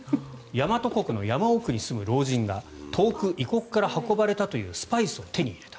大和国の山奥に住む老人が遠く異国から運ばれたというスパイスを手に入れた。